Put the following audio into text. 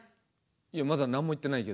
いやまだなんも言ってないけど。